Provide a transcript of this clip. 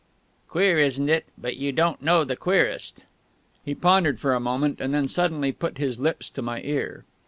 "Queer, isn't it? But you don't know the queerest ..." He pondered for a moment, and then suddenly put his lips to my ear.